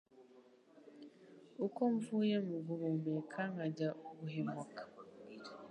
uko mvuye mu guhumeka nkajya guhemuka